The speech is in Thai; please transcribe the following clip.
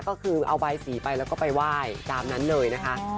ก็คือเอาใบสีไปแล้วก็ไปไหว้ตามนั้นเลยนะคะ